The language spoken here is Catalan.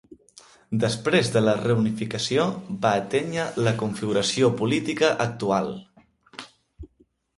Després de la reunificació va atènyer la configuració política actual.